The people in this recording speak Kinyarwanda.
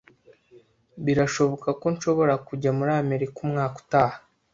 Birashoboka ko nshobora kujya muri Amerika umwaka utaha.